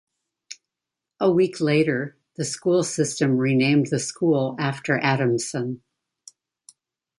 A week later, the school system renamed the school after Adamson.